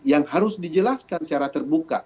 yang harus dijelaskan secara terbuka